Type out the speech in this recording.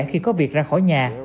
khi có việc ra khỏi nhà